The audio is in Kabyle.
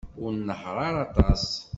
Ur nnehheṛ ara aṭas.